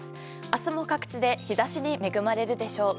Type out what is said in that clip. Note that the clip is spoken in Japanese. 明日も各地で日差しに恵まれるでしょう。